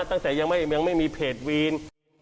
ตั้งแต่ยังไม่มีเพจวีน